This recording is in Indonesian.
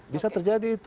bisa terjadi itu